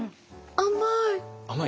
甘い。